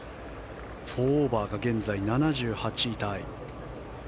４オーバーが現在７８位タイ。